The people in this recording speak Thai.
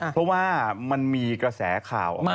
เพราะว่ามันมีกระแสข่าวออกมา